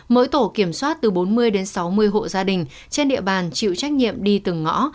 mỗi tổ kiểm soát từ bốn mươi đến sáu mươi hộ gia đình trên địa bàn chịu trách nhiệm đi từng ngõ